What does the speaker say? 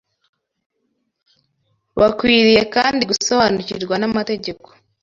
Bakwiriye kandi gusobanukirwa n’amategeko